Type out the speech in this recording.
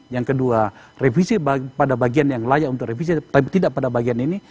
yang kedua revisi pada bagian yang layak untuk revisi tapi tidak pada bagian ini